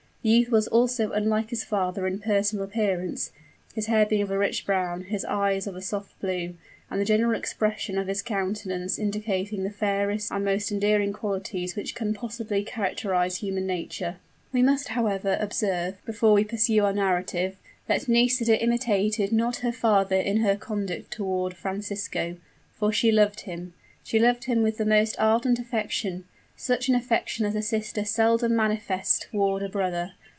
The youth was also unlike his father in personal appearance, his hair being of a rich brown, his eyes of a soft blue, and the general expression of his countenance indicating the fairest and most endearing qualities which can possibly characterize human nature. We must, however, observe, before we pursue our narrative, that Nisida imitated not her father in her conduct toward Francisco; for she loved him she loved him with the most ardent affection such an affection as a sister seldom manifests toward a brother.